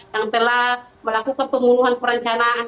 yang telah melakukan pembunuhan perencanaan